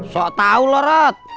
sok tau lu rod